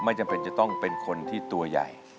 จำเป็นจะต้องเป็นคนที่ตัวใหญ่